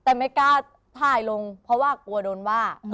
แต่ไม่กล้าถ่ายลงเพราะว่ากลัวโดนว่า